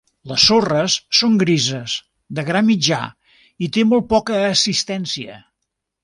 Les sorres són grises de gra mitjà i té molt poca assistència.